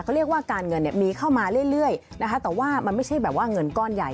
เขาเรียกว่าการเงินเนี่ยมีเข้ามาเรื่อยนะคะแต่ว่ามันไม่ใช่แบบว่าเงินก้อนใหญ่